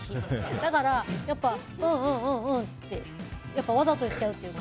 だから、うんうんってわざと言っちゃうというか。